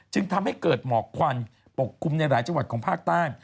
จึงทำให้เกิดหมอกควันปกคลุมในหลายจังหวัดของภาคใต้